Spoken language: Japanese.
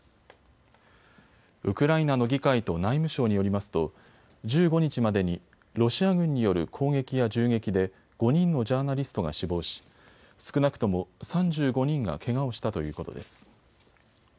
ウクライナの議会と内務省によりますと１５日までにロシア軍による攻撃や銃撃で５人のジャーナリストが死亡し少なくとも３５人がけがをしたということです。